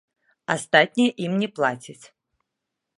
Астатняе ім не плацяць.